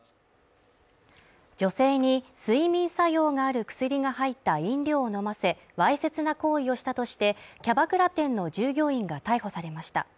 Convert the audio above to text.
女性に睡眠作用がある薬が入った飲料を飲ませわいせつな行為をしたとして、キャバクラ店の従業員が逮捕されました。